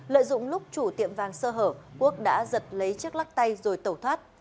lợi dụng lúc chủ tiệm vàng sơ hở quốc đã giật lấy chiếc lắc tay rồi tẩu thoát